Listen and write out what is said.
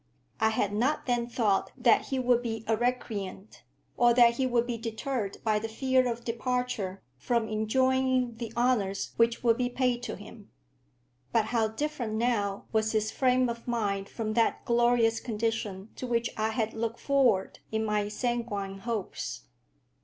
I had not then thought that he would be a recreant, or that he would be deterred by the fear of departure from enjoying the honours which would be paid to him. But how different now was his frame of mind from that glorious condition to which I had looked forward in my sanguine hopes!